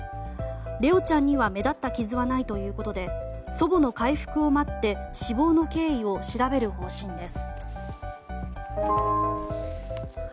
怜旺ちゃんには目立った傷はないということで祖母の回復を待って死亡の経緯を調べる方針です。